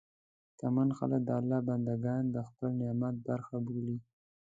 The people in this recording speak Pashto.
شتمن خلک د الله بندهګان د خپل نعمت برخه بولي.